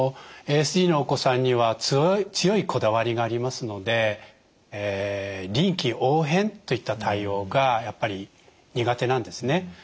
ＡＳＤのお子さんには強いこだわりがありますので臨機応変といった対応がやっぱり苦手なんですね。